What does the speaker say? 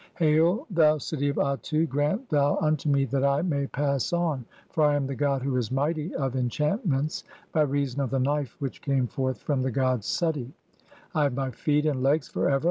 Hail, thou city of Atu, grant thou "unto me that I may pass on, for I am the god who is mighty "of enchantments by reason of the knife which came forth from "the god Suti. (6) I have my feet and legs for ever.